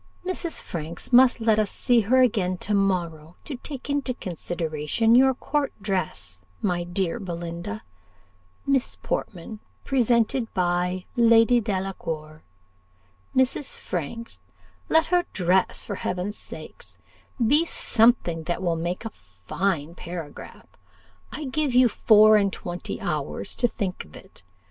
Mrs. Franks must let us see her again to morrow, to take into consideration your court dress, my dear Belinda 'Miss Portman presented by Lady Delacour' Mrs. Franks, let her dress, for heaven's sake, be something that will make a fine paragraph: I give you four and twenty hours to think of it.